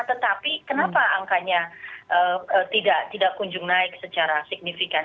tetapi kenapa angkanya tidak kunjung naik secara signifikan